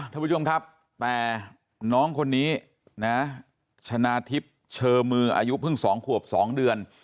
ท่านผู้ชมครับแต่น้องคนนี้นะชนะทิพย์เชอมืออายุเพิ่ง๒ขวบ๒เดือน